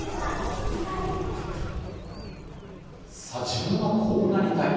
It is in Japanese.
自分はこうなりたい。